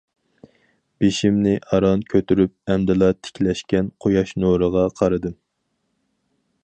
بېشىمنى ئاران كۆتۈرۈپ، ئەمدىلا تىكلەشكەن قۇياش نۇرىغا قارىدىم.